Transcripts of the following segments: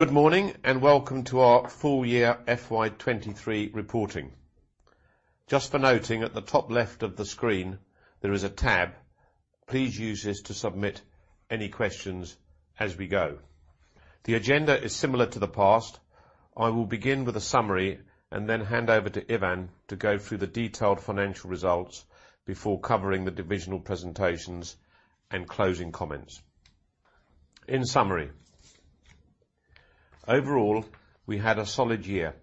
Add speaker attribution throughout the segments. Speaker 1: Good morning, welcome to our full year FY 2023 reporting. Just for noting, at the top left of the screen, there is a tab. Please use this to submit any questions as we go. The agenda is similar to the past. I will begin with a summary and then hand over to Ivan to go through the detailed financial results before covering the divisional presentations and closing comments. In summary, overall, we had a solid year.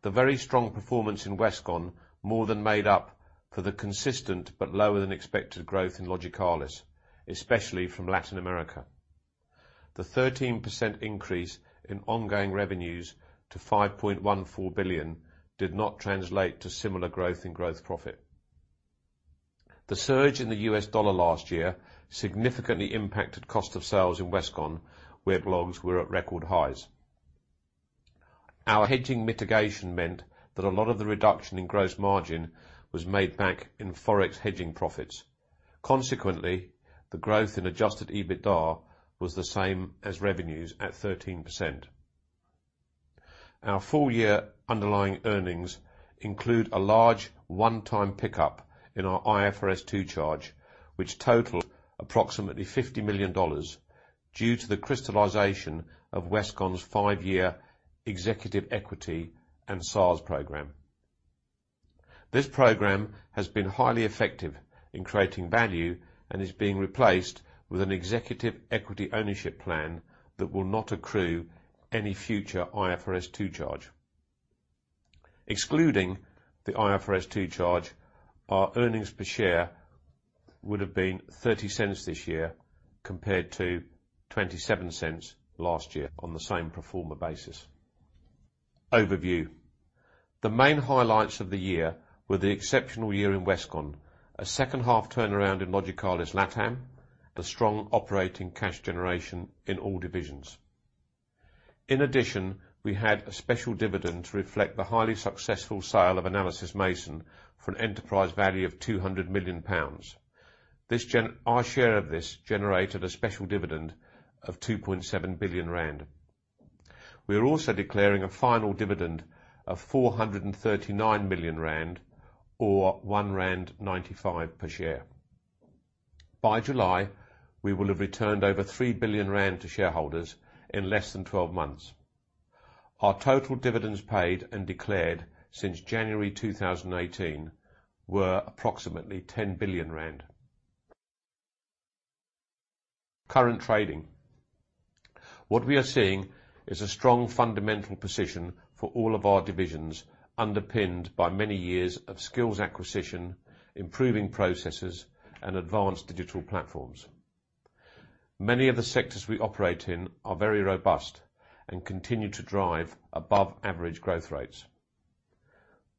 Speaker 1: The very strong performance in Westcon more than made up for the consistent but lower than expected growth in Logicalis, especially from Latin America. The 13% increase in ongoing revenues to $5.14 billion did not translate to similar growth in gross profit. The surge in the U.S. dollar last year significantly impacted cost of sales in Westcon, where logs were at record highs. Our hedging mitigation meant that a lot of the reduction in gross margin was made back in Forex hedging profits. The growth in adjusted EBITDA was the same as revenues at 13%. Our full year underlying earnings include a large one-time pickup in our IFRS 2 charge, which totaled approximately $50 million due to the crystallization of Westcon's five-year executive equity and SARs program. This program has been highly effective in creating value and is being replaced with an executive equity ownership plan that will not accrue any future IFRS 2 charge. Excluding the IFRS 2 charge, our earnings per share would have been $0.30 this year compared to $0.27 last year on the same pro forma basis. Overview. The main highlights of the year were the exceptional year in Westcon, a second half turnaround in Logicalis LatAm, a strong operating cash generation in all divisions. In addition, we had a special dividend to reflect the highly successful sale of Analysys Mason for an enterprise value of 200 million pounds. Our share of this generated a special dividend of 2.7 billion rand. We are also declaring a final dividend of 439 million rand or 1.95 rand per share. By July, we will have returned over 3 billion rand to shareholders in less than 12 months. Our total dividends paid and declared since January 2018 were approximately ZAR 10 billion. Current trading. What we are seeing is a strong fundamental position for all of our divisions, underpinned by many years of skills acquisition, improving processes, and advanced digital platforms. Many of the sectors we operate in are very robust and continue to drive above average growth rates.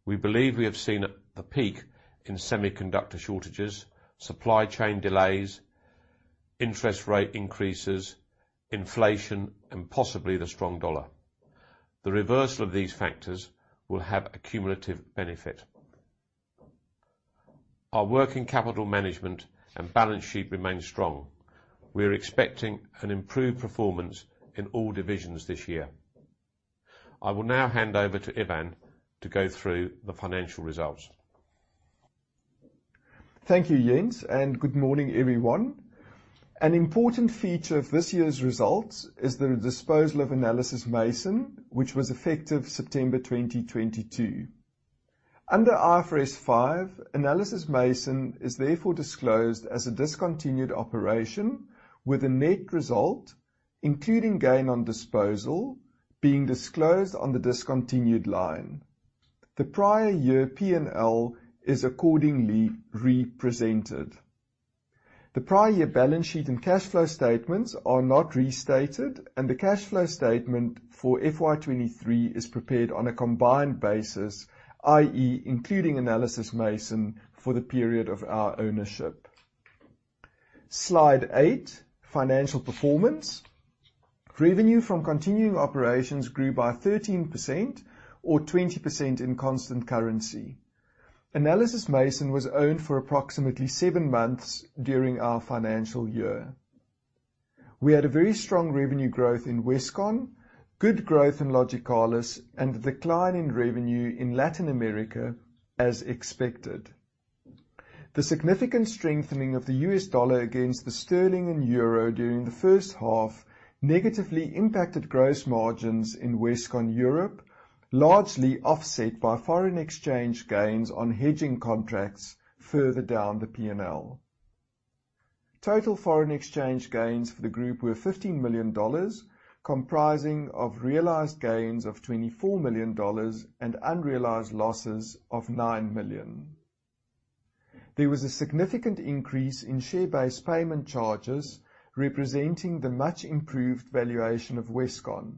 Speaker 1: We believe we have seen the peak in semiconductor shortages, supply chain delays, interest rate increases, inflation, and possibly the strong dollar. The reversal of these factors will have a cumulative benefit. Our working capital management and balance sheet remain strong. We are expecting an improved performance in all divisions this year. I will now hand over to Ivan to go through the financial results.
Speaker 2: Thank you, Jens, and good morning, everyone. An important feature of this year's results is the disposal of Analysys Mason, which was effective September 2022. Under IFRS 5, Analysys Mason is therefore disclosed as a discontinued operation with a net result, including gain on disposal, being disclosed on the discontinued line. The prior year P&L is accordingly represented. The prior year balance sheet and cash flow statements are not restated, and the cash flow statement for FY 2023 is prepared on a combined basis, i.e., including Analysys Mason for the period of our ownership. Slide eight, financial performance. Revenue from continuing operations grew by 13% or 20% in constant currency. Analysys Mason was owned for approximately seven months during our financial year. We had a very strong revenue growth in Westcon, good growth in Logicalis, and decline in revenue in Latin America as expected. The significant strengthening of the U.S. dollar against the sterling and euro during the first half negatively impacted gross margins in Westcon Europe, largely offset by foreign exchange gains on hedging contracts further down the P&L. Total foreign exchange gains for the group were $15 million, comprising of realized gains of $24 million and unrealized losses of $9 million. There was a significant increase in share-based payment charges representing the much improved valuation of Westcon.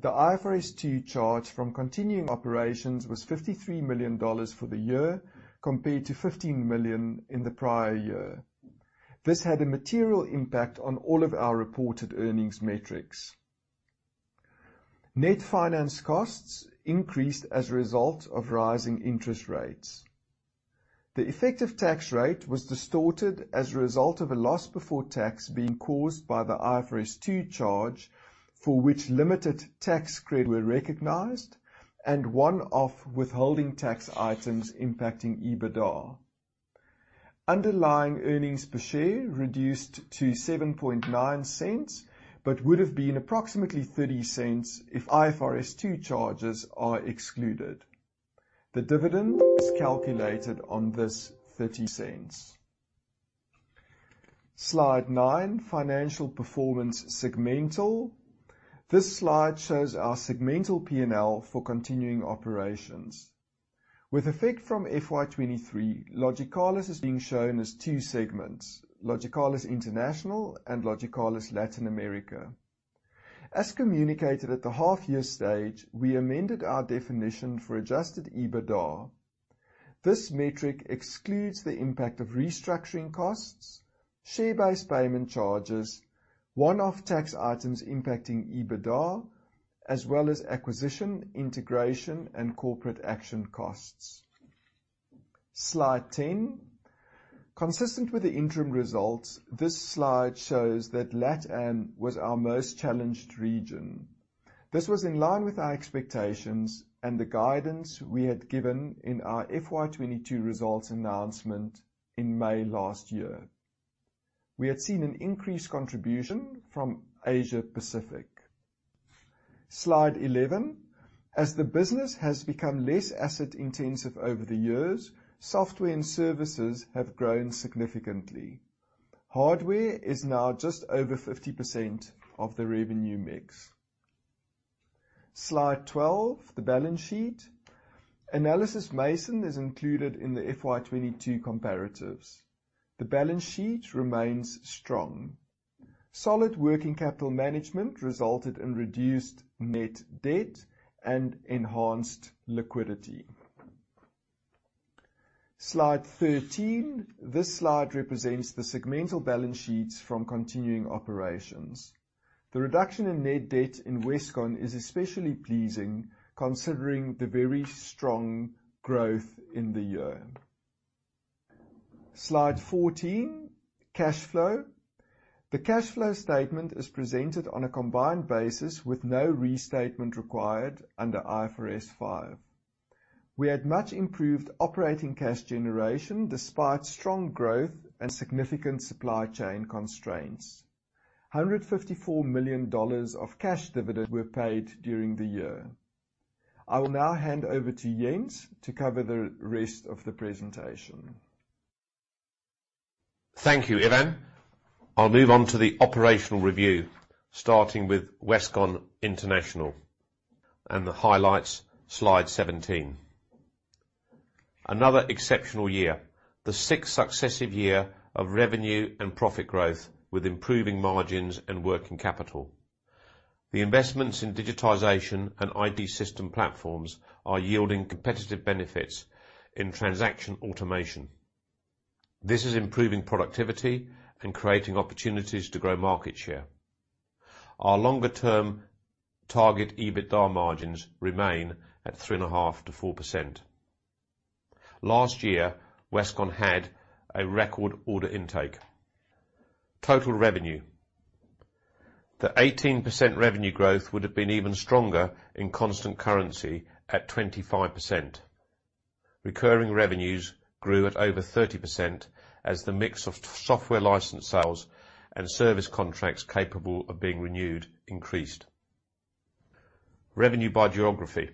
Speaker 2: The IFRS 2 charge from continuing operations was $53 million for the year, compared to $15 million in the prior year. This had a material impact on all of our reported earnings metrics. Net finance costs increased as a result of rising interest rates. The effective tax rate was distorted as a result of a loss before tax being caused by the IFRS 2 charge for which limited tax credit were recognized and one-off withholding tax items impacting EBITDA. Underlying earnings per share reduced to $0.079, but would have been approximately $0.30 if IFRS 2 charges are excluded. The dividend is calculated on this $0.30. Slide nine, financial performance segmental. This slide shows our segmental P&L for continuing operations. With effect from FY 2023, Logicalis is being shown as two segments: Logicalis International and Logicalis Latin America. As communicated at the half year stage, we amended our definition for adjusted EBITDA. This metric excludes the impact of restructuring costs, share-based payment charges, one-off tax items impacting EBITDA, as well as acquisition, integration, and corporate action costs. Slide 10. Consistent with the interim results, this slide shows that LatAm was our most challenged region. This was in line with our expectations and the guidance we had given in our FY 2022 results announcement in May last year. We had seen an increased contribution from Asia-Pacific. Slide 11. As the business has become less asset intensive over the years, software and services have grown significantly. Hardware is now just over 50% of the revenue mix. Slide 12, the balance sheet. Analysys Mason is included in the FY 2022 comparatives. The balance sheet remains strong. Solid working capital management resulted in reduced net debt and enhanced liquidity. Slide 13. This slide represents the segmental balance sheets from continuing operations. The reduction in net debt in Westcon is especially pleasing considering the very strong growth in the year. Slide 14, cash flow. The cash flow statement is presented on a combined basis with no restatement required under IFRS 5. We had much improved operating cash generation despite strong growth and significant supply chain constraints. $154 million of cash dividends were paid during the year. I will now hand over to Jens to cover the rest of the presentation.
Speaker 1: Thank you, Ivan. I'll move on to the operational review, starting with Westcon International and the highlights, slide 17. Another exceptional year, the sixth successive year of revenue and profit growth with improving margins and working capital. The investments in digitization and IT system platforms are yielding competitive benefits in transaction automation. This is improving productivity and creating opportunities to grow market share. Our longer-term target EBITDA margins remain at 3.5%-4%. Last year, Westcon had a record order intake. Total revenue. The 18% revenue growth would have been even stronger in constant currency at 25%. Recurring revenues grew at over 30% as the mix of software license sales and service contracts capable of being renewed increased. Revenue by geography.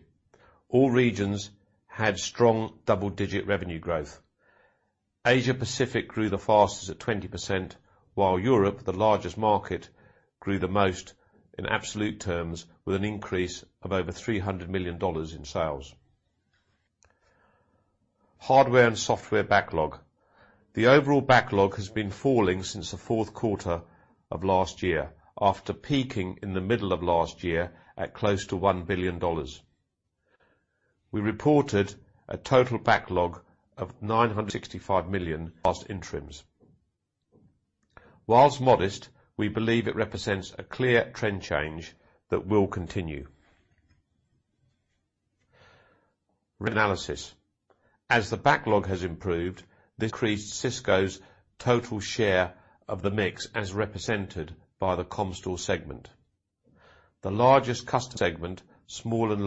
Speaker 1: All regions had strong double-digit revenue growth. Asia-Pacific grew the fastest at 20%, while Europe, the largest market, grew the most in absolute terms with an increase of over $300 million in sales. Hardware and software backlog. The overall backlog has been falling since the fourth quarter of last year, after peaking in the middle of last year at close to $1 billion. We reported a total backlog of $965 million last interims. While modest, we believe it represents a clear trend change that will continue. Analysis. As the backlog has improved, this increased Cisco's total share of the mix as represented by the Comstor segment. The largest customer segment, small and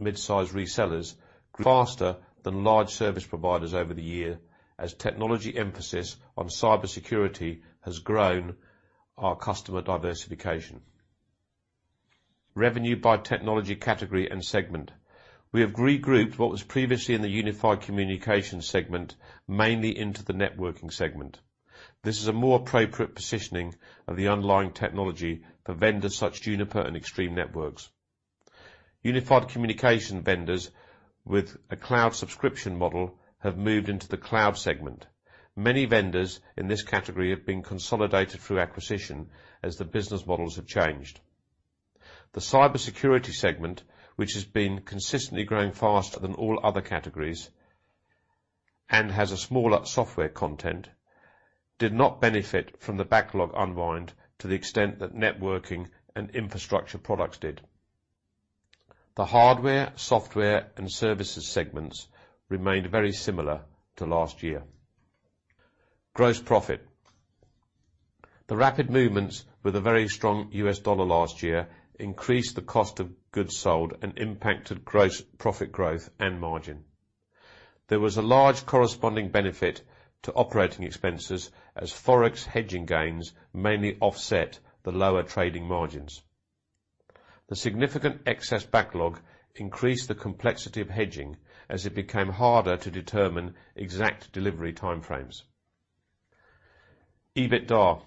Speaker 1: mid-size resellers, grew faster than large service providers over the year as technology emphasis on cybersecurity has grown our customer diversification. Revenue by technology category and segment. We have regrouped what was previously in the unified communication segment mainly into the networking segment. This is a more appropriate positioning of the underlying technology for vendors such Juniper and Extreme Networks. Unified communication vendors with a cloud subscription model have moved into the cloud segment. Many vendors in this category have been consolidated through acquisition as the business models have changed. The cybersecurity segment, which has been consistently growing faster than all other categories and has a smaller software content, did not benefit from the backlog unwind to the extent that networking and infrastructure products did. The hardware, software, and services segments remained very similar to last year. Gross profit. The rapid movements with a very strong U.S. dollar last year increased the cost of goods sold and impacted gross profit growth and margin. There was a large corresponding benefit to operating expenses as Forex hedging gains mainly offset the lower trading margins. The significant excess backlog increased the complexity of hedging as it became harder to determine exact delivery timeframes. EBITDA.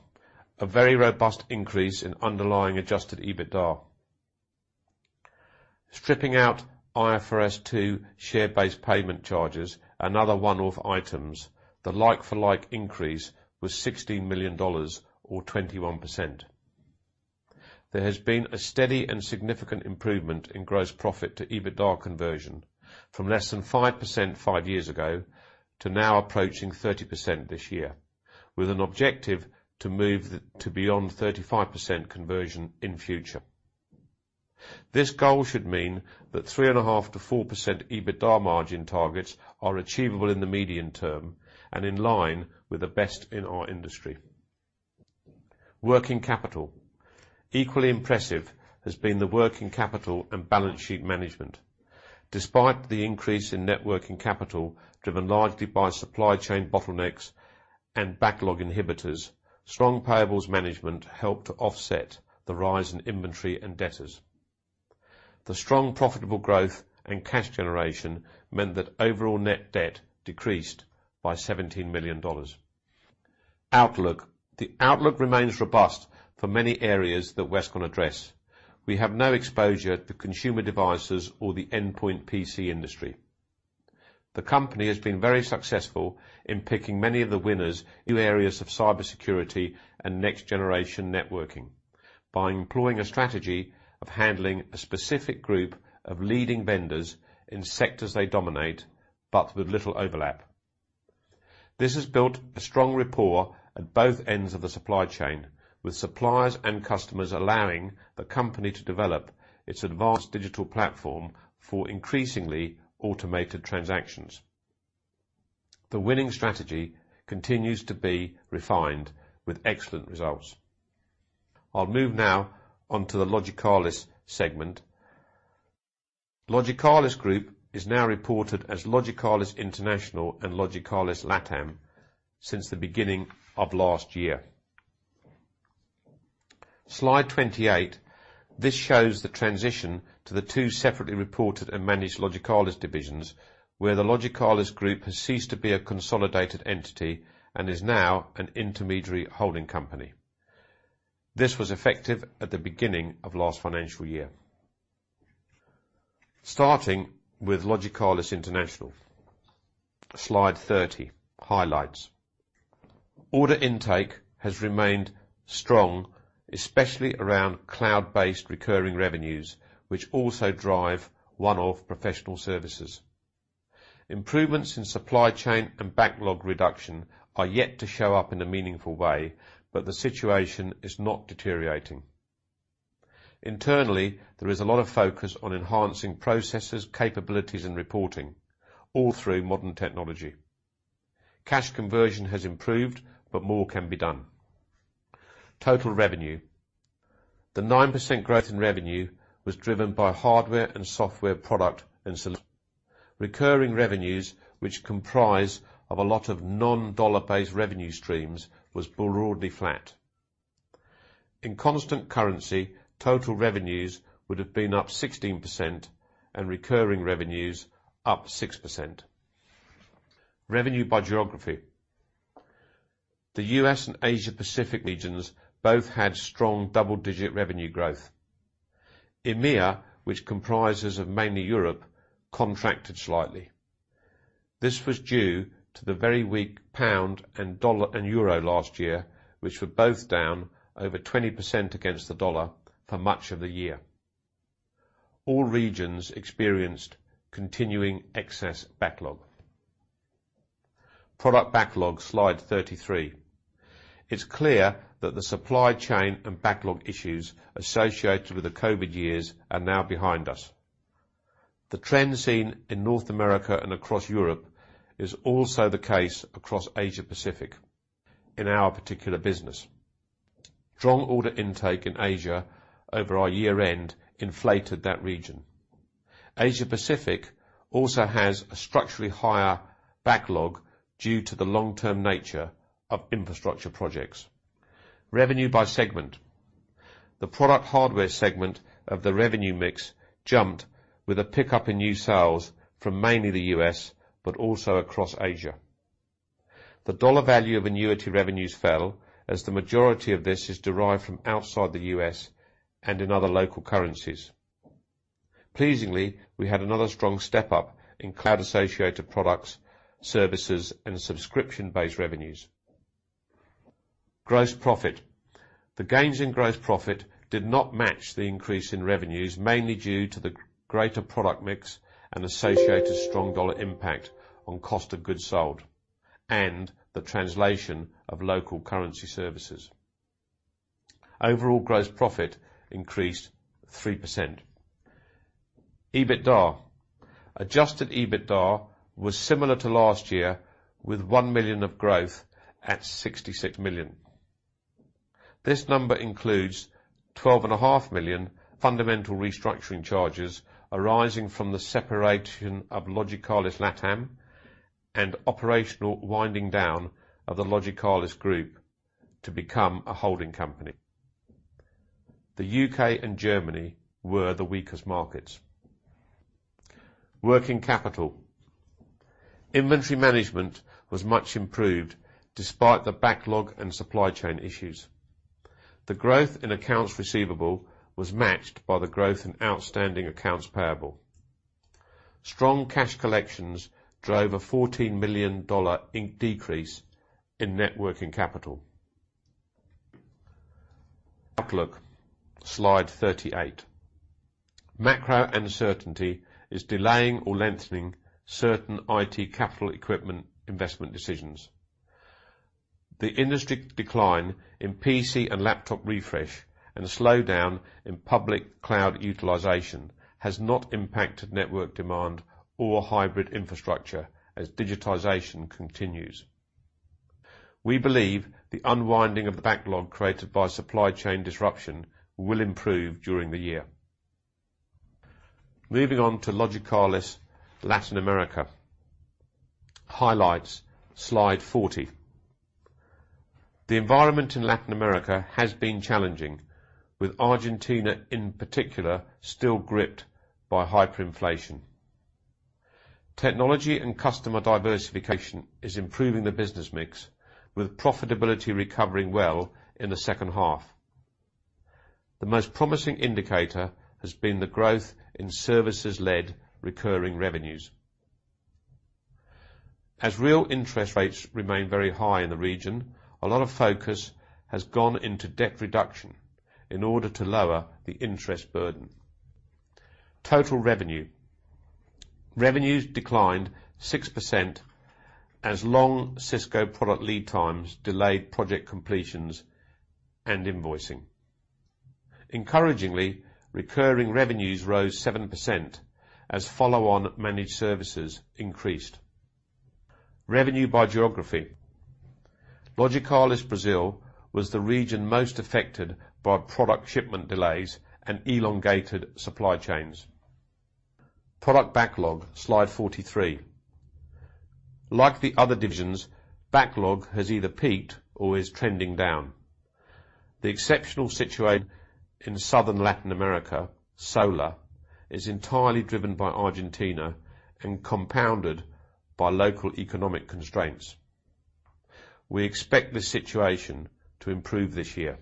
Speaker 1: A very robust increase in underlying adjusted EBITDA. Stripping out IFRS 2 share-based payment charges and other one-off items, the like-for-like increase was $16 million or 21%. There has been a steady and significant improvement in gross profit to EBITDA conversion from less than 5% five years ago to now approaching 30% this year, with an objective to move beyond 35% conversion in future. This goal should mean that 3.5%-4% EBITDA margin targets are achievable in the medium term and in line with the best in our industry. Working capital. Equally impressive has been the working capital and balance sheet management. Despite the increase in net working capital, driven largely by supply chain bottlenecks and backlog inhibitors, strong payables management helped to offset the rise in inventory and debtors. The strong profitable growth and cash generation meant that overall net debt decreased by $17 million. Outlook. The outlook remains robust for many areas that Westcon address. We have no exposure to consumer devices or the endpoint PC industry. The company has been very successful in picking many of the winners in areas of cybersecurity and next-generation networking by employing a strategy of handling a specific group of leading vendors in sectors they dominate, but with little overlap. This has built a strong rapport at both ends of the supply chain, with suppliers and customers allowing the company to develop its advanced digital platform for increasingly automated transactions. The winning strategy continues to be refined with excellent results. I'll move now on to the Logicalis segment. Logicalis Group is now reported as Logicalis International and Logicalis LatAm since the beginning of last year. Slide 28, this shows the transition to the two separately reported and managed Logicalis divisions, where the Logicalis Group has ceased to be a consolidated entity and is now an intermediary holding company. This was effective at the beginning of last financial year. Starting with Logicalis International. Slide 30, highlights. Order intake has remained strong, especially around cloud-based recurring revenues, which also drive one-off professional services. Improvements in supply chain and backlog reduction are yet to show up in a meaningful way, but the situation is not deteriorating. Internally, there is a lot of focus on enhancing processes, capabilities, and reporting all through modern technology. Cash conversion has improved, but more can be done. Total revenue. The 9% growth in revenue was driven by hardware and software product and solution. Recurring revenues, which comprise a lot of non-U.S. dollar-based revenue streams, was broadly flat. In constant currency, total revenues would have been up 16% and recurring revenues up 6%. Revenue by geography. The U.S. and Asia Pacific regions both had strong double-digit revenue growth. EMEA, which comprises mainly Europe, contracted slightly. This was due to the very weak sterling and U.S. dollar and euro last year, which were both down over 20% against the U.S. dollar for much of the year. All regions experienced continuing excess backlog. Product backlog, slide 33. It's clear that the supply chain and backlog issues associated with the COVID years are now behind us. The trend seen in North America and across Europe is also the case across Asia Pacific in our particular business. Strong order intake in Asia over our year end inflated that region. Asia Pacific also has a structurally higher backlog due to the long-term nature of infrastructure projects. Revenue by segment. The product hardware segment of the revenue mix jumped with a pickup in new sales from mainly the U.S., but also across Asia. The dollar value of annuity revenues fell as the majority of this is derived from outside the U.S. and in other local currencies. Pleasingly, we had another strong step up in cloud-associated products, services, and subscription-based revenues. Gross profit. The gains in gross profit did not match the increase in revenues, mainly due to the greater product mix and associated strong dollar impact on cost of goods sold and the translation of local currency services. Overall gross profit increased 3%. EBITDA. Adjusted EBITDA was similar to last year, with $1 million of growth at $66 million. This number includes twelve and a half million fundamental restructuring charges arising from the separation of Logicalis LatAm and operational winding down of the Logicalis Group to become a holding company. The U.K. and Germany were the weakest markets. Working capital. Inventory management was much improved despite the backlog and supply chain issues. The growth in accounts receivable was matched by the growth in outstanding accounts payable. Strong cash collections drove a $14 million decrease in net working capital. Outlook. Slide 38. Macro uncertainty is delaying or lengthening certain IT capital equipment investment decisions. The industry decline in PC and laptop refresh and slowdown in public cloud utilization has not impacted network demand or hybrid infrastructure as digitization continues. We believe the unwinding of the backlog created by supply chain disruption will improve during the year. Moving on to Logicalis Latin America. Highlights, slide 40. The environment in Latin America has been challenging, with Argentina in particular still gripped by hyperinflation. Technology and customer diversification is improving the business mix, with profitability recovering well in the second half. The most promising indicator has been the growth in services-led recurring revenues. As real interest rates remain very high in the region, a lot of focus has gone into debt reduction in order to lower the interest burden. Total revenue. Revenues declined 6% as long Cisco product lead times delayed project completions and invoicing. Encouragingly, recurring revenues rose 7% as follow-on managed services increased. Revenue by geography. Logicalis Brazil was the region most affected by product shipment delays and elongated supply chains. Product backlog, slide 43. Like the other divisions, backlog has either peaked or is trending down. The exceptional situation in Southern Latin America, SOLA, is entirely driven by Argentina and compounded by local economic constraints. We expect this situation to improve this year.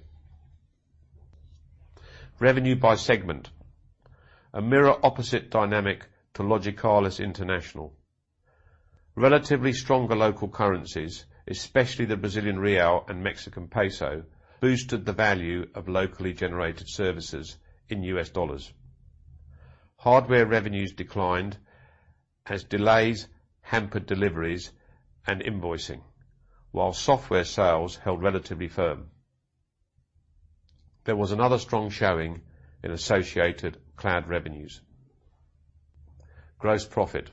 Speaker 1: Revenue by segment. A mirror opposite dynamic to Logicalis International. Relatively stronger local currencies, especially the Brazilian real and Mexican peso, boosted the value of locally generated services in U.S. dollars. Hardware revenues declined as delays hampered deliveries and invoicing, while software sales held relatively firm. There was another strong showing in associated cloud revenues. Gross profit.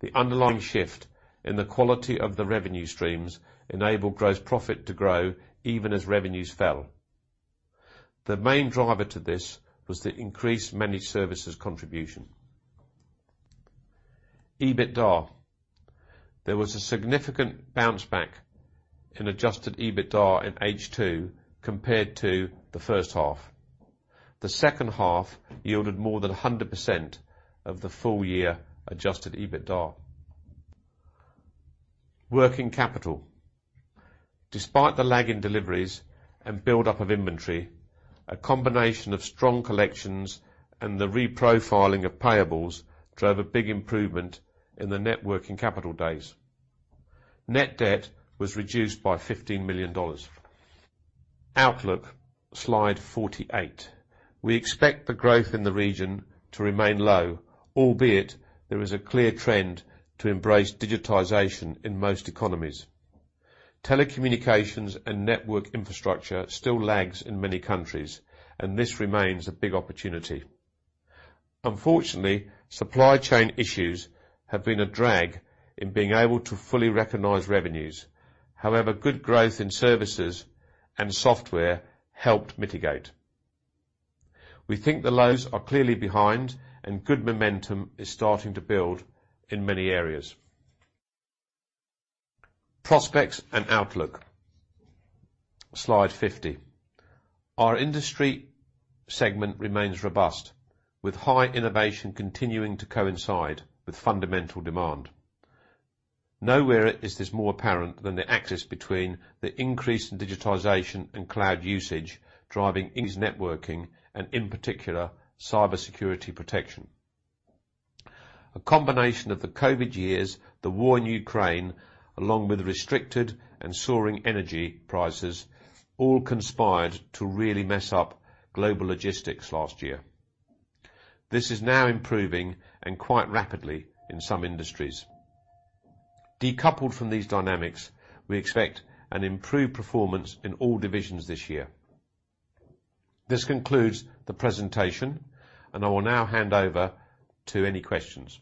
Speaker 1: The underlying shift in the quality of the revenue streams enabled gross profit to grow even as revenues fell. The main driver to this was the increased managed services contribution. EBITDA. There was a significant bounce back in adjusted EBITDA in H2 compared to the first half. The second half yielded more than 100% of the full year adjusted EBITDA. Working capital. Despite the lag in deliveries and build-up of inventory, a combination of strong collections and the reprofiling of payables drove a big improvement in the net working capital days. Net debt was reduced by $15 million. Outlook, slide 48. We expect the growth in the region to remain low, albeit there is a clear trend to embrace digitization in most economies. Telecommunications and network infrastructure still lags in many countries, and this remains a big opportunity. Unfortunately, supply chain issues have been a drag in being able to fully recognize revenues. However, good growth in services and software helped mitigate. We think the lows are clearly behind, and good momentum is starting to build in many areas. Prospects and outlook. Slide 50. Our industry segment remains robust, with high innovation continuing to coincide with fundamental demand. Nowhere is this more apparent than the axis between the increase in digitization and cloud usage driving edge networking and, in particular, cybersecurity protection. A combination of the COVID years, the war in Ukraine, along with restricted and soaring energy prices, all conspired to really mess up global logistics last year. This is now improving and quite rapidly in some industries. Decoupled from these dynamics, we expect an improved performance in all divisions this year. This concludes the presentation, and I will now hand over to any questions.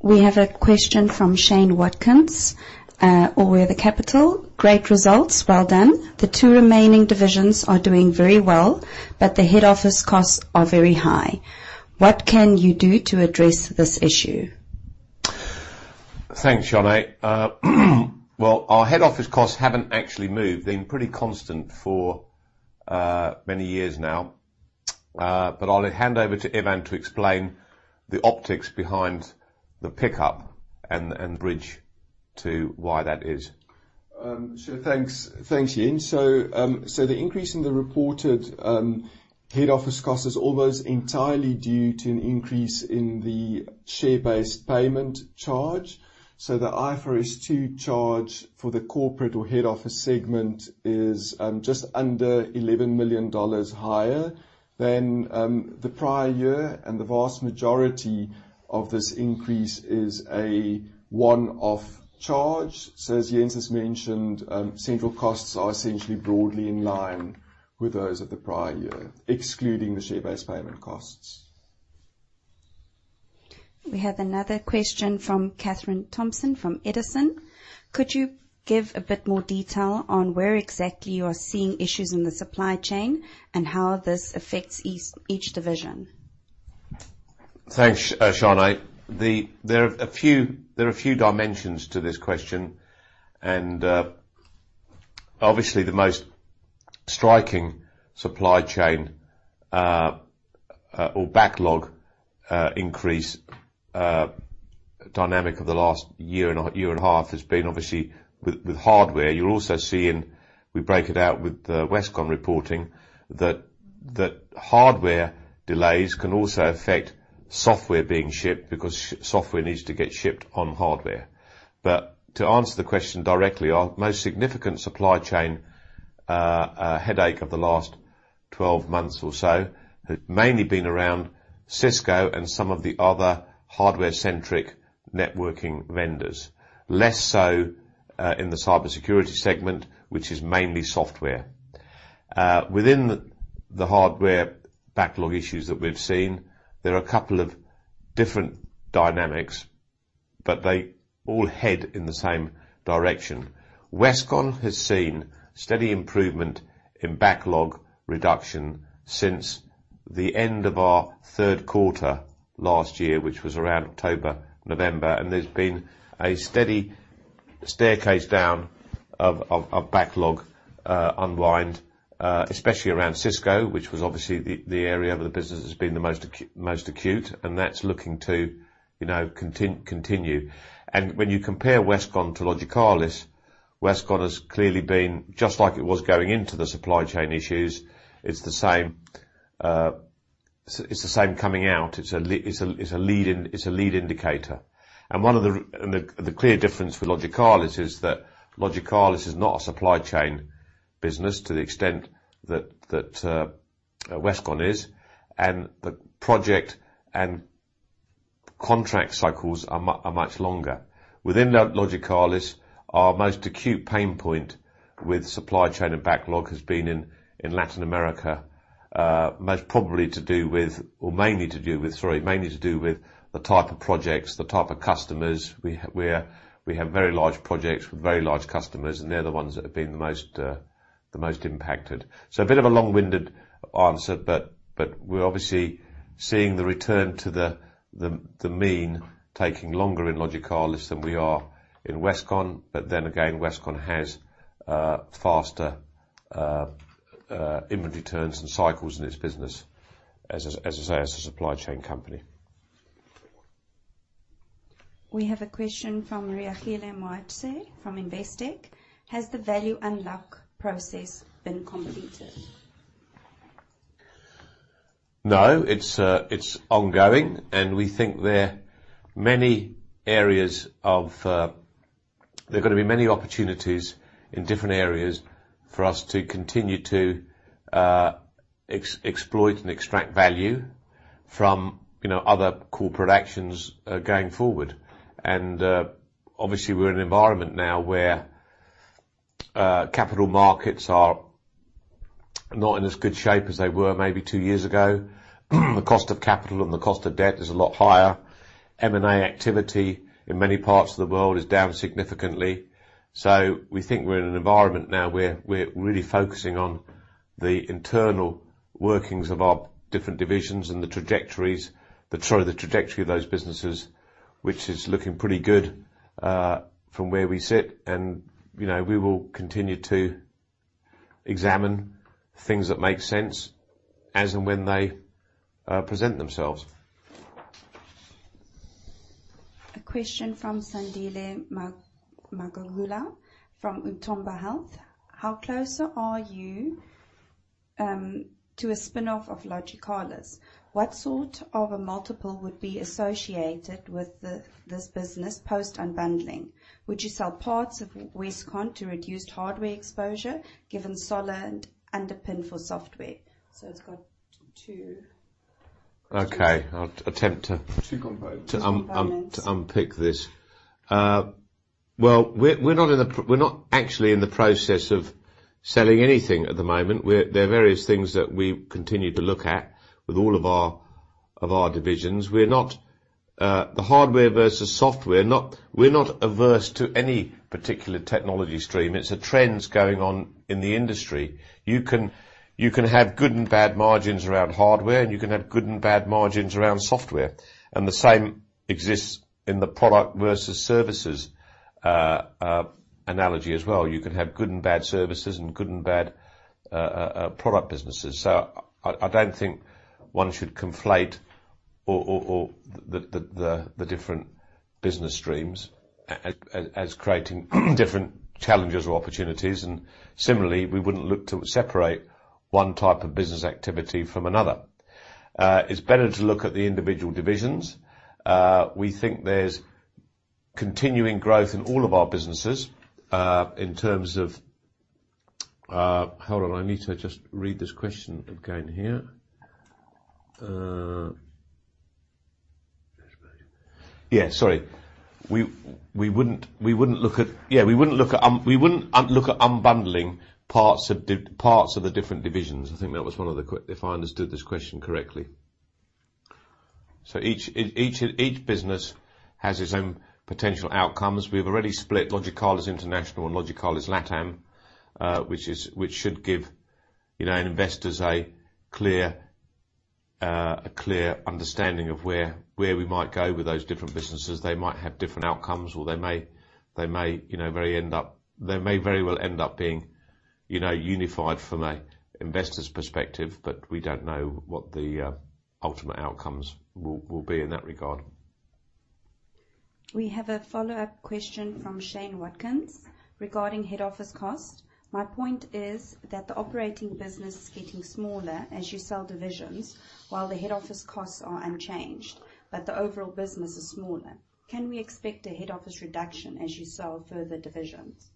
Speaker 3: We have a question from Shane Watkins, All Weather Capital. Great results, well done. The two remaining divisions are doing very well, but the head office costs are very high. What can you do to address this issue?
Speaker 1: Thanks, Shane. Well, our head office costs haven't actually moved. They've been pretty constant for many years now. I'll hand over to Ivan to explain the optics behind the pickup and bridge to why that is.
Speaker 2: Sure. Thanks. Thanks, Jens. The increase in the reported head office cost is almost entirely due to an increase in the share-based payment charge. The IFRS 2 charge for the corporate or head office segment is just under $11 million higher than the prior year, and the vast majority of this increase is a one-off charge. As Jens has mentioned, central costs are essentially broadly in line with those of the prior year, excluding the share-based payment costs.
Speaker 3: We have another question from Katherine Thompson from Edison: Could you give a bit more detail on where exactly you are seeing issues in the supply chain and how this affects each division?
Speaker 1: Thanks, Shane. There are a few dimensions to this question and obviously the most striking supply chain or backlog increase dynamic of the last year and a half has been obviously with hardware. You'll also see in, we break it out with the Westcon reporting, that hardware delays can also affect software being shipped because software needs to get shipped on hardware. To answer the question directly, our most significant supply chain headache of the last 12 months or so has mainly been around Cisco and some of the other hardware-centric networking vendors. Less so in the cybersecurity segment, which is mainly software. Within the hardware backlog issues that we've seen, there are a couple of different dynamics, but they all head in the same direction. Westcon has seen steady improvement in backlog reduction since the end of our third quarter last year, which was around October, November. There's been a steady staircase down of backlog unwind, especially around Cisco, which was obviously the area of the business that's been the most acute, and that's looking to, you know, continue. When you compare Westcon to Logicalis, Westcon has clearly been just like it was going into the supply chain issues. It's the same coming out. It's a lead indicator. The clear difference with Logicalis is that Logicalis is not a supply chain business to the extent that Westcon is, and the project and contract cycles are much longer. Within Logicalis, our most acute pain point with supply chain and backlog has been in Latin America, most probably to do with, or mainly to do with, sorry, mainly to do with the type of projects, the type of customers. We have very large projects with very large customers, and they're the ones that have been the most impacted. A bit of a long-winded answer, but we're obviously seeing the return to the mean taking longer in Logicalis than we are in Westcon. Again, Westcon has faster inventory turns and cycles in its business, as I say, as a supply chain company.
Speaker 3: We have a question from Reneilwe Gilemoitse from Investec: Has the value unlock process been completed?
Speaker 1: No, it's ongoing, and we think there are many areas of. There are gonna be many opportunities in different areas for us to continue to exploit and extract value from, you know, other corporate actions going forward. Obviously we're in an environment now where capital markets are not in as good shape as they were maybe two years ago. The cost of capital and the cost of debt is a lot higher. M&A activity in many parts of the world is down significantly. We think we're in an environment now where we're really focusing on the internal workings of our different divisions and the trajectory of those businesses, which is looking pretty good from where we sit. You know, we will continue to examine things that make sense as and when they present themselves.
Speaker 3: A question from Sandile Magagula from Umthombo Wealth: How closer are you to a spinoff of Logicalis? What sort of a multiple would be associated with this business post unbundling? Would you sell parts of Westcon to reduce hardware exposure given solid underpin for software?
Speaker 1: Okay.
Speaker 2: To combine.
Speaker 1: ...to unpick this. Well, we're not actually in the process of selling anything at the moment. There are various things that we continue to look at with all of our divisions. We're not the hardware versus software. We're not averse to any particular technology stream. It's the trends going on in the industry. You can have good and bad margins around hardware, and you can have good and bad margins around software. The same exists in the product versus services analogy as well. You can have good and bad services and good and bad product businesses. I don't think one should conflate the different business streams as creating different challenges or opportunities. Similarly, we wouldn't look to separate one type of business activity from another. It's better to look at the individual divisions. We think there's continuing growth in all of our businesses in terms of. Hold on. I need to just read this question again here. We wouldn't look at unbundling parts of the different divisions. I think that was one of the questions if I understood this question correctly. Each business has its own potential outcomes. We've already split Logicalis International and Logicalis LatAm, which should give, you know, investors a clear understanding of where we might go with those different businesses. They might have different outcomes, or they may, you know, very well end up being, you know, unified from an investor's perspective, but we don't know what the ultimate outcomes will be in that regard.
Speaker 3: We have a follow-up question from Shane Watkins regarding head office cost. "My point is that the operating business is getting smaller as you sell divisions while the head office costs are unchanged, but the overall business is smaller. Can we expect a head office reduction as you sell further divisions?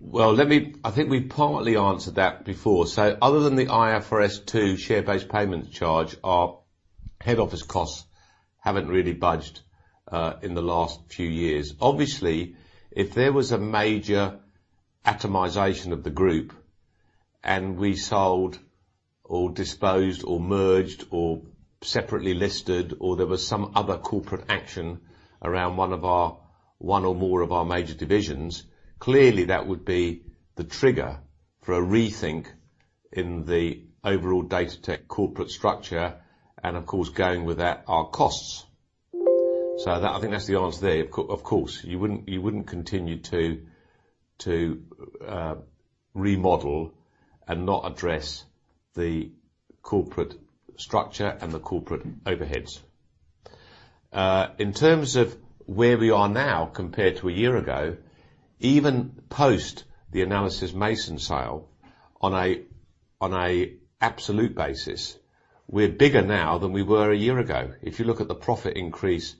Speaker 1: Well, let me I think we partly answered that before. Other than the IFRS 2 share-based payment charge, our head office costs haven't really budged in the last few years. Obviously, if there was a major atomization of the group and we sold or disposed or merged or separately listed or there was some other corporate action around one or more of our major divisions, clearly that would be the trigger for a rethink in the overall Datatec corporate structure and, of course, going with that, our costs. That I think that's the answer there. Of course, you wouldn't continue to remodel and not address the corporate structure and the corporate overheads. In terms of where we are now compared to a year ago, even post the Analysys Mason sale, on an absolute basis, we're bigger now than we were a year ago. If you look at the profit increase,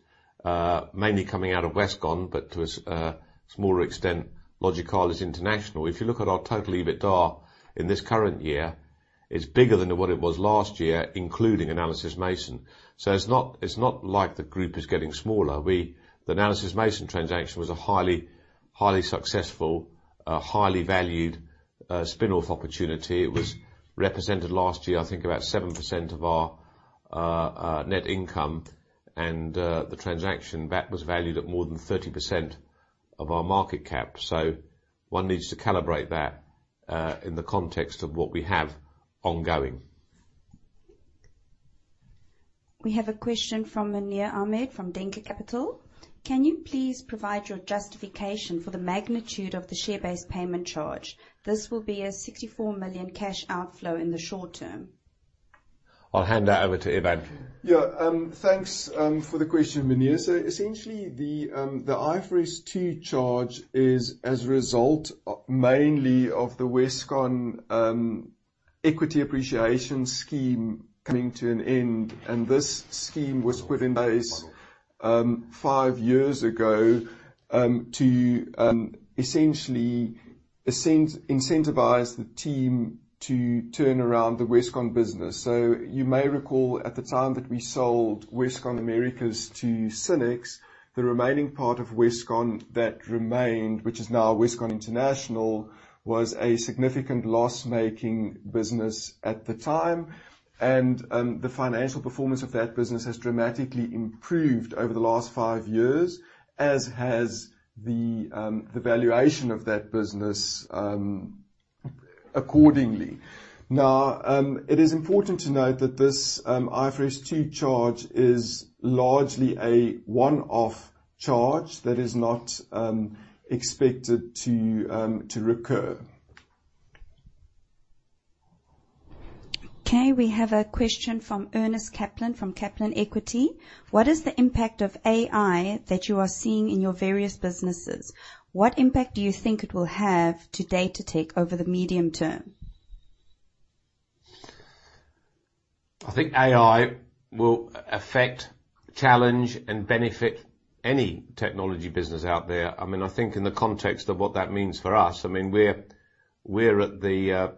Speaker 1: mainly coming out of Westcon but to a smaller extent, Logicalis International. If you look at our total EBITDA in this current year, it's bigger than what it was last year, including Analysys Mason. It's not like the group is getting smaller. The Analysys Mason transaction was a highly successful, highly valued spin-off opportunity. It was represented last year, I think, about 7% of our net income, the transaction, that was valued at more than 30% of our market cap. One needs to calibrate that in the context of what we have ongoing.
Speaker 3: We have a question from Muneer Ahmed from Denker Capital. "Can you please provide your justification for the magnitude of the share-based payment charge? This will be a $64 million cash outflow in the short term.
Speaker 1: I'll hand that over to Ivan.
Speaker 2: Thanks for the question, Muneer. Essentially, the IFRS 2 charge is as a result mainly of the Westcon equity appreciation scheme coming to an end, and this scheme was put in place five years ago to essentially incentivize the team to turn around the Westcon business. You may recall at the time that we sold Westcon Americas to Synnex, the remaining part of Westcon that remained, which is now Westcon International, was a significant loss-making business at the time. The financial performance of that business has dramatically improved over the last five years, as has the valuation of that business accordingly. It is important to note that this IFRS 2 charge is largely a one-off charge that is not expected to recur.
Speaker 3: Okay. We have a question from Irnest Kaplan from Kaplan Equity. "What is the impact of AI that you are seeing in your various businesses? What impact do you think it will have to Datatec over the medium term?
Speaker 1: I think AI will affect, challenge and benefit any technology business out there. I mean, I think in the context of what that means for us, I mean, we're at the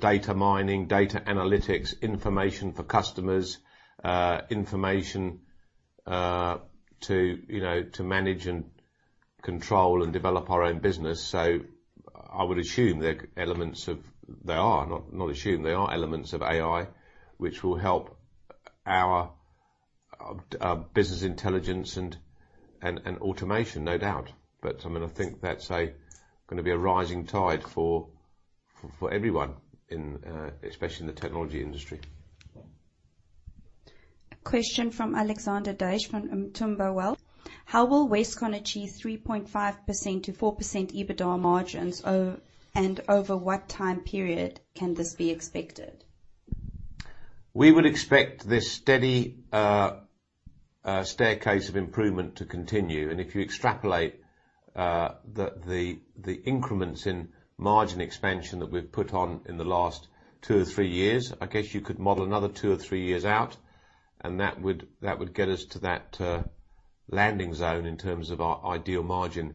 Speaker 1: data mining, data analytics, information for customers, information to, you know, to manage and control and develop our own business. There are elements of AI, not assume, which will help our business intelligence and automation no doubt. I mean, I think that's going to be a rising tide for everyone, especially in the technology industry.
Speaker 3: A question from Alexander Gillespie from Umthombo Wealth. How will Westcon achieve 3.5%-4% EBITDA margins over and over what time period can this be expected?
Speaker 1: We would expect this steady staircase of improvement to continue, and if you extrapolate the increments in margin expansion that we've put on in the last two or three years, I guess you could model another two or three years out, and that would get us to that landing zone in terms of our ideal margin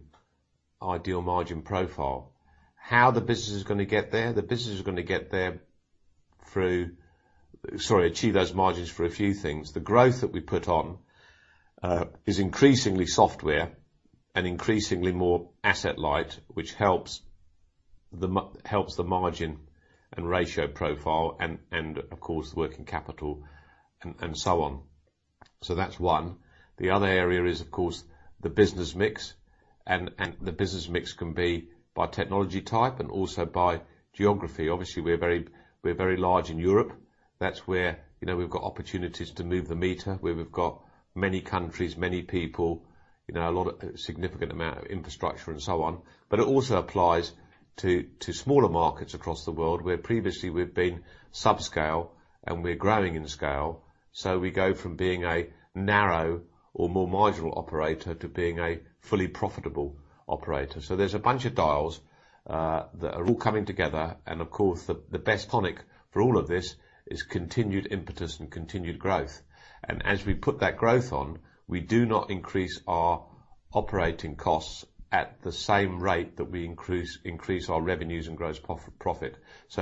Speaker 1: profile. How the business is gonna get there? Sorry, achieve those margins for a few things. The growth that we put on is increasingly software and increasingly more asset light, which helps the margin and ratio profile and of course, working capital and so on. So that's one. The other area is, of course, the business mix and the business mix can be by technology type and also by geography. Obviously, we're very large in Europe. That's where, you know, we've got opportunities to move the meter, where we've got many countries, many people, you know, a lot of significant amount of infrastructure and so on. It also applies to smaller markets across the world, where previously we've been subscale and we're growing in scale, so we go from being a narrow or more marginal operator to being a fully profitable operator. There's a bunch of dials that are all coming together and of course the best tonic for all of this is continued impetus and continued growth. As we put that growth on, we do not increase our operating costs at the same rate that we increase our revenues and gross profit.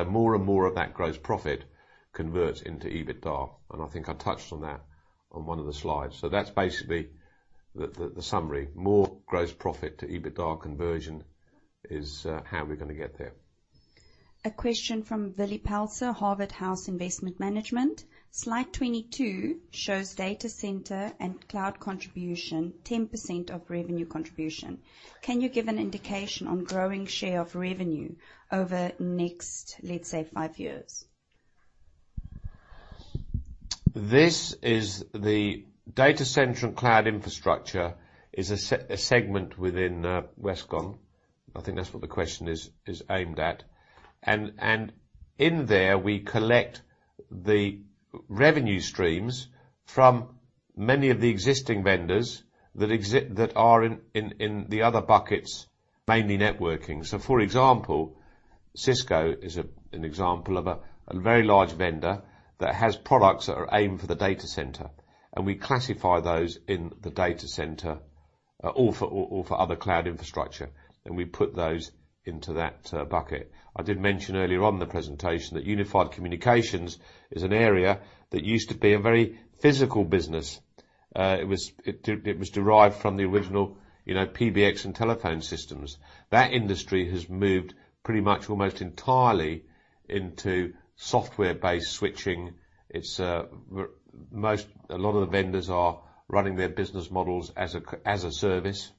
Speaker 1: More and more of that gross profit converts into EBITDA, and I think I touched on that on one of the slides. That's basically the summary. More gross profit to EBITDA conversion is how we're gonna get there.
Speaker 3: A question from Willie Pelser, Harvard House Investment Management. Slide 22 shows data center and cloud contribution, 10% of revenue contribution. Can you give an indication on growing share of revenue over next, let's say, five years?
Speaker 1: This is the data center and cloud infrastructure is a segment within Westcon. I think that's what the question is aimed at. In there we collect the revenue streams from many of the existing vendors that are in the other buckets, mainly networking. For example, Cisco is an example of a very large vendor that has products that are aimed for the data center, and we classify those in the data center, or for other cloud infrastructure, and we put those into that bucket. I did mention earlier on in the presentation that unified communications is an area that used to be a very physical business. It was derived from the original, you know, PBX and telephone systems. That industry has moved pretty much almost entirely into software-based switching. It's A lot of the vendors are running their business models as a service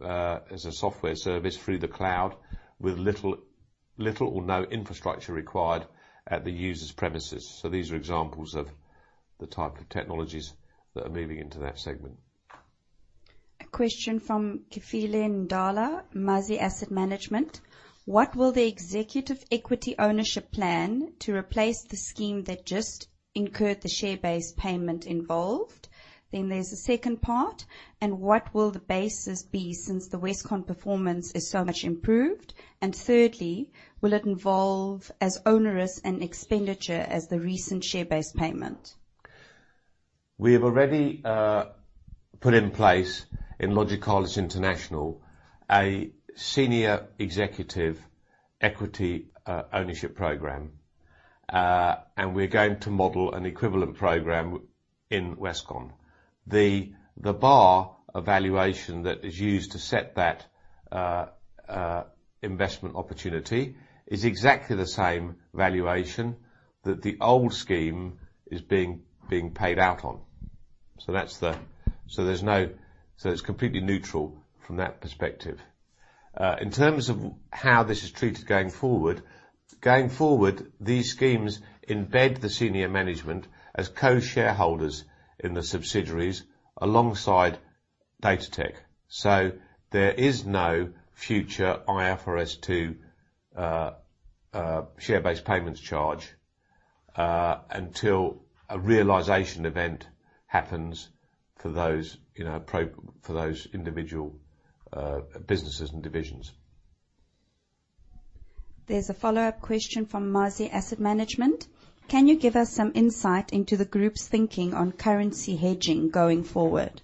Speaker 1: as a software service through the cloud with little or no infrastructure required at the user's premises. These are examples of the type of technologies that are moving into that segment.
Speaker 3: A question from Kefilwe Ndala, Mazi Asset Management. What will the executive equity ownership plan to replace the scheme that just incurred the share-based payment involved? There's a second part. What will the basis be since the Westcon performance is so much improved? Thirdly, will it involve as onerous an expenditure as the recent share-based payment?
Speaker 1: We have already put in place in Logicalis International a senior executive equity ownership program, and we're going to model an equivalent program in Westcon. The base valuation that is used to set that investment opportunity is exactly the same valuation that the old scheme is being paid out on. It's completely neutral from that perspective. In terms of how this is treated going forward, these schemes embed the senior management as co-shareholders in the subsidiaries alongside Datatec. There is no future IFRS 2 share-based payments charge until a realization event happens for those, you know, for those individual businesses and divisions.
Speaker 3: There's a follow-up question from Mazi Asset Management. Can you give us some insight into the group's thinking on currency hedging going forward?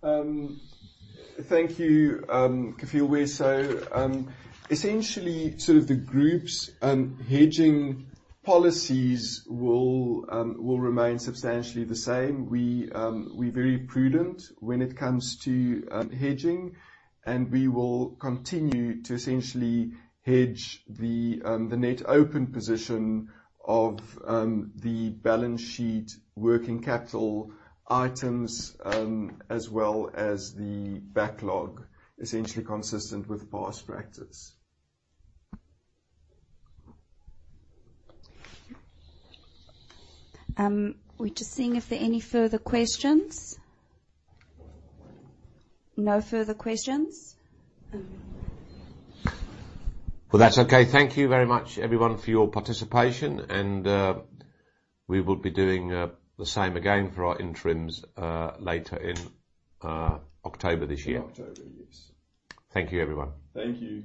Speaker 2: Thank you, Kefilwe. Essentially sort of the group's hedging policies will remain substantially the same. We're very prudent when it comes to hedging, and we will continue to essentially hedge the net open position of the balance sheet working capital items, as well as the backlog, essentially consistent with past practice.
Speaker 3: We're just seeing if there are any further questions. No further questions.
Speaker 1: Well, that's okay. Thank you very much everyone for your participation and we will be doing the same again for our interims later in October this year.
Speaker 2: In October, yes.
Speaker 1: Thank you, everyone.
Speaker 2: Thank you.